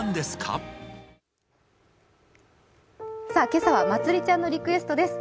今朝はまつりちゃんのリクエストです。